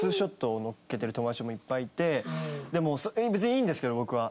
でも別にいいんですけど僕は。